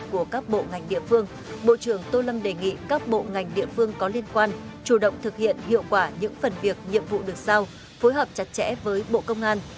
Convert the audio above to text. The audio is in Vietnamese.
các bộ ngành địa phương có liên quan chủ động thực hiện hiệu quả những phần việc nhiệm vụ được sao phối hợp chặt chẽ với bộ công an